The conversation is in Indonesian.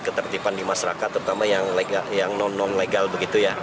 yang tertipan di masyarakat terutama yang non legal begitu ya